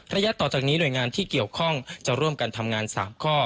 ระยะต่อจากนี้หน่วยงานที่เกี่ยวข้องจะร่วมกันทำงาน๓ข้อ